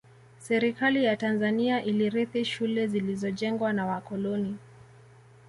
Serikali ya Tanzania ilirithi shule zilizojengwa na wakoloni